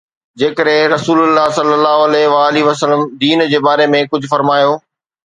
جيڪڏهن رسول الله صلي الله عليه وآله وسلم دين جي باري ۾ ڪجهه فرمايو.